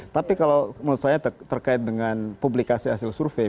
tapi kalau menurut saya terkait dengan publikasi hasil survei